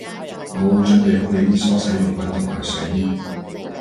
我會準備好你啲梳洗用品同埋睡衣